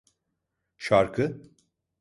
Şarkı?